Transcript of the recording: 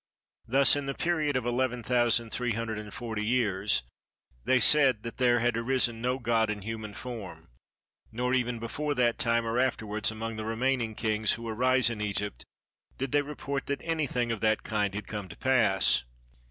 Thus in the period of eleven thousand three hundred and forty years they said that there had arisen no god in human form; nor even before that time or afterwards among the remaining kings who arise in Egypt, did they report that anything of that kind had come to pass.